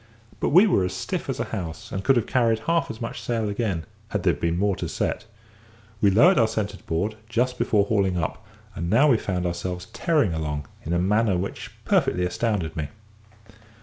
But we were as stiff as a house, and could have carried half as much sail again, had there been more to set. We lowered our centre board just before hauling up, and now we found ourselves tearing along, in a manner which perfectly astounded me.